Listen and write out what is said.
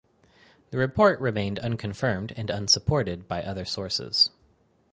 The report remained unconfirmed and unsupported by other sources.